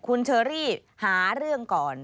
คุณเชอรี่หาเรื่องก่อน